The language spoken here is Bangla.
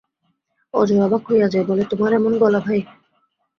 অজয় অবাক হইয়া যায়, বলে, তোমার এমন গলা ভাই?